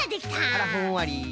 あらふんわり。